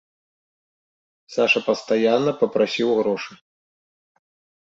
Саша пастаянна папрасіў грошы.